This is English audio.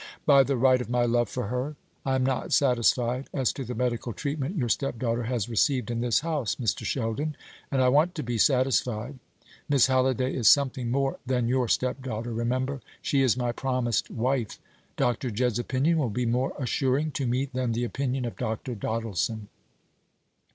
"By the right of my love for her. I am not satisfied as to the medical treatment your stepdaughter has received in this house, Mr. Sheldon, and I want to be satisfied. Miss Halliday is something more than your stepdaughter, remember: she is my promised wife. Dr. Jedd's opinion will be more assuring to me than the opinion of Dr. Doddleson."